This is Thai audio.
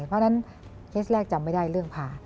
เพราะฉะนั้นเคสแรกจำไม่ได้เรื่องผ่า